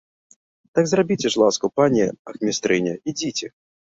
Так зрабіце ж ласку, пане ахмістрыня, ідзіце!